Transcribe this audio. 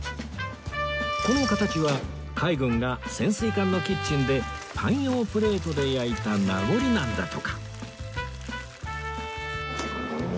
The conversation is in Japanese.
この形は海軍が潜水艦のキッチンでパン用プレートで焼いた名残なんだとか